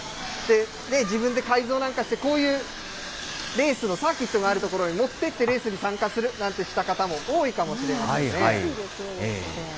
自分で改造なんかして、こういうレースのサーキットがある所へ持ってって、レースに参加するなんてした方も多いかもしれませんね。